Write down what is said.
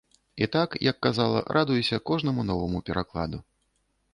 І так, як казала, радуюся кожнаму новаму перакладу.